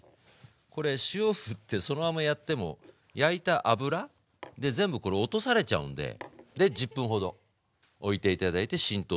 これ塩ふってそのままやっても焼いた油で全部これ落とされちゃうんで１０分ほどおいて頂いて浸透させる。